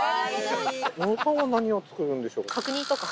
野呂さんは何を作るんでしょ角煮とか。